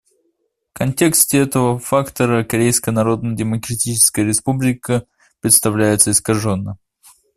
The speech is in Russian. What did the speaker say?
В контексте этого фактора Корейская Народно-Демократическая Республика представляется искаженно.